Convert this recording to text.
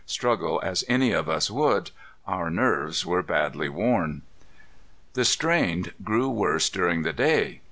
Struggle as any of us would, our nerves were badly worn. The strain grew worse during the day.